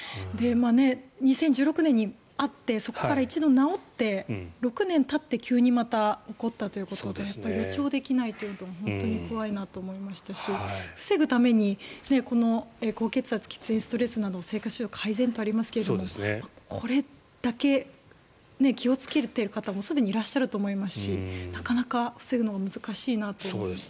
２０１６年にあってそこから一度、治って６年たって急にまた起こったということで予兆できないというのは本当に怖いと思いましたし防ぐために高血圧、喫煙、ストレスなどの生活習慣を改善とありますがこれだけ気をつけている方すでにいらっしゃると思いますしなかなか防ぐのが難しいなと思いますね。